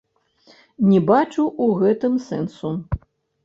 Не бачу ў гэтым сэнсу.